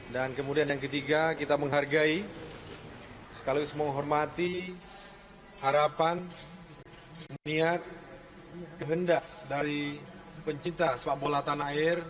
dan kemudian yang ketiga kita menghargai sekaligus menghormati harapan niat kehendak dari pencinta sepak bola tanah air